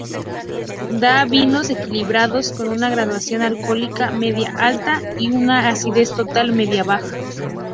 Da vinos equilibrados, con una graduación alcohólica media-alta y una acidez total media-baja.